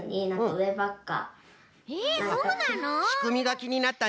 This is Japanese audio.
えっそうなの！？